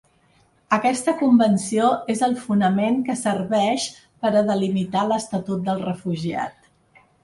Aquesta convenció és el fonament que serveix per a delimitar l’estatut del refugiat.